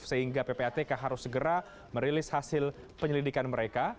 sehingga ppatk harus segera merilis hasil penyelidikan mereka